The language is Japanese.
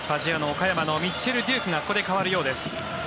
岡山のミッチェル・デュークがここで代わるようです。